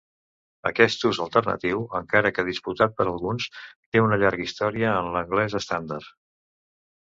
Aquest ús alternatiu, encara que disputat per alguns, té una llarga història en l'anglès estàndard.